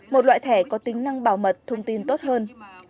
một loại thẻ có tính năng bảo mật thông tin tốt hơn